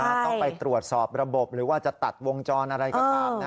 ต้องไปตรวจสอบระบบหรือว่าจะตัดวงจรอะไรก็ตามนะ